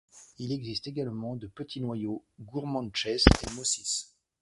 Il existe également des petits noyaux Gourmantchés et Mossis.